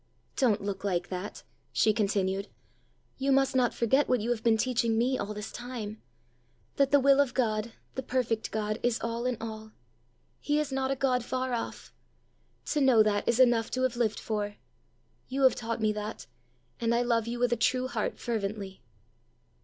Don't look like that," she continued; "you must not forget what you have been teaching me all this time that the will of God, the perfect God, is all in all! He is not a God far off: to know that is enough to have lived for! You have taught me that, and I love you with a true heart fervently."